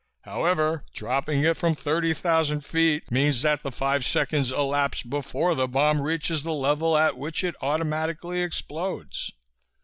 However, dropping it from 30,000 feet means that the five seconds elapse before the bomb reaches the level at which it automatically explodes."